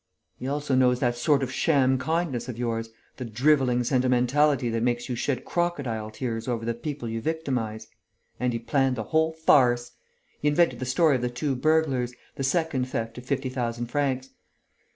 He also knows that sort of sham kindness of yours, the drivelling sentimentality that makes you shed crocodile tears over the people you victimize; And he planned the whole farce! He invented the story of the two burglars, the second theft of fifty thousand francs!